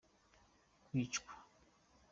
kwicwa.